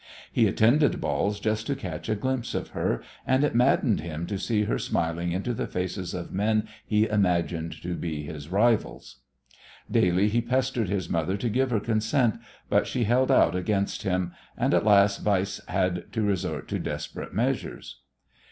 He attended balls just to catch a glimpse of her; and it maddened him to see her smiling into the faces of men he imagined to be his rivals. Daily he pestered his mother to give her consent, but she held out against him, and at last Weiss had to resort to desperate measures.